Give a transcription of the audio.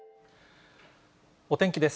お天気です。